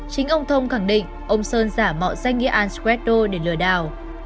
chính ông thông khẳng định ông sơn giả mọ danh nghĩa an scredo để lừa đảo